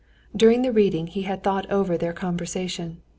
During the reading he had thought over their conversation.